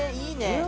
いいね。